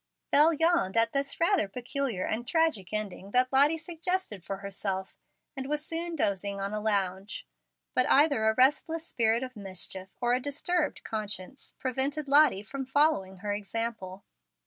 Bel yawned at the rather peculiar and tragic ending that Lottie suggested for herself, and was soon dozing on a lounge. But either a restless spirit of mischief, or a disturbed conscience, prevented Lottie from following her example.